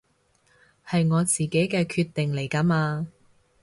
係我自己嘅決定嚟㗎嘛